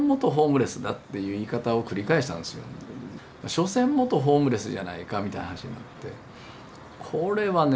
「所詮元ホームレスじゃないか」みたいな話になってこれはね